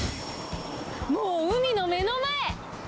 もう、海の目の前。